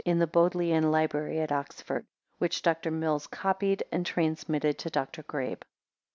in the Bodleian Library at Oxford, which Dr. Mills copied and transmitted to Dr. Grabe.